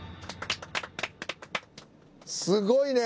すごいね。